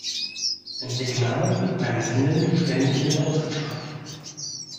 Ein Signal wird beim Senden ständig mit ausgestrahlt.